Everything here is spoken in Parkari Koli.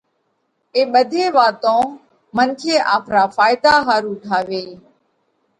اي ٻڌي واتون منکي آپرا ڦائيڌا ۿارُو ٺاويھ۔